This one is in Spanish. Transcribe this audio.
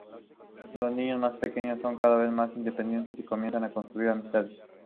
Los niños más pequeños son cada vez más independientes y comienzan a construir amistades.